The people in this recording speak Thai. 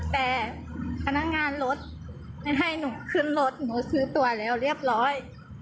แต่พนักงานรถไม่ให้หนูขึ้นรถหนูซื้อตัวแล้วเรียบร้อย